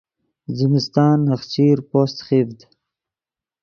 زمستان نخچیر پوست خیڤد